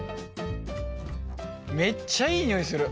めっちゃいい匂いする。